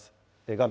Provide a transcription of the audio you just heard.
画面